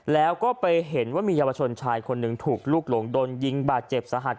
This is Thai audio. แล้วก็ไปเห็นว่ามีเยาวชนชายคนหนึ่งถูกลูกหลงโดนยิงบาดเจ็บสาหัส